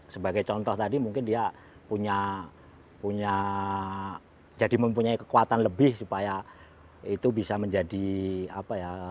sebagai contoh tadi mungkin dia punya jadi mempunyai kekuatan lebih supaya itu bisa menjadi apa ya